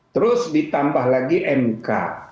terus ditambah lagi mk